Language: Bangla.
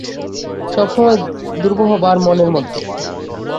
সব সময়ে দুর্বহ ভার মনের মধ্যে।